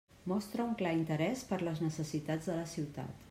Mostra un clar interès per les necessitats de la ciutat.